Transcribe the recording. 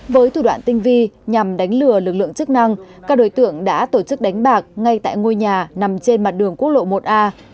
với thủ đoạn tinh vi nhằm đánh lừa lực lượng chức năng các đối tượng đã tổ chức đánh bạc ngay tại ngôi nhà nằm trên mặt đường quốc lộ một a